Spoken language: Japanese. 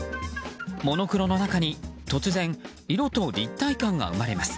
モノクロの中に突然、色と立体感が生まれます。